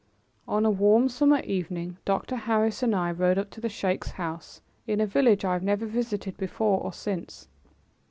On a warm summer evening, Dr. Harris and I rode up to the sheik's house in a village I have never visited before or since.